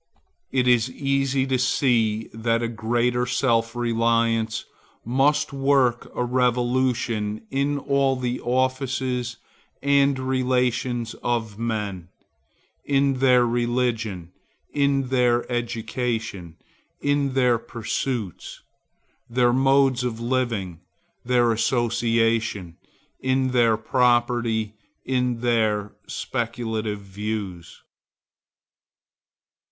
It is easy to see that a greater self reliance must work a revolution in all the offices and relations of men; in their religion; in their education; in their pursuits; their modes of living; their association; in their property; in their speculative views.